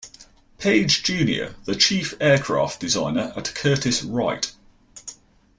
Page Junior the chief aircraft designer at Curtiss-Wright.